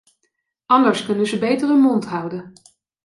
Anders kunnen ze beter hun mond houden.